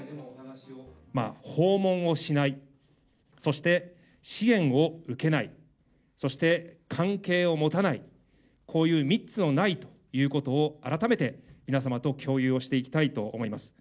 訪問をしない、そして支援を受けない、そして関係を持たない、こういう３つのないということを、改めて皆様と共有をしていきたいと思います。